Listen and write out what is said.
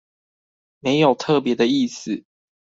沒有特別的意思